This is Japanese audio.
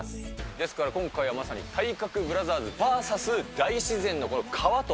ですから、今回はまさに体格ブラザーズバーサス大自然の川と。